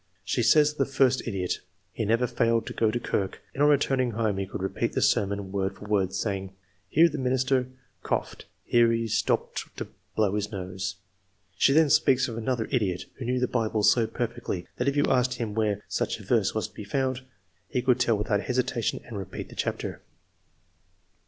She says of the first idiot, He never failed to go to kirk, and on return ing home could repeat the sermon word for word, saying, Here the minister coughed, here he stopped to blow his nose." She then speaks of " another idiot who knew the Bible so per fectly, that if you asked him where such a verse was to be found, he could tell without hesitation and repeat the chapter."